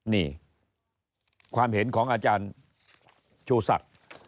นี่ความเห็นของอาจารย์ชูศักดิ์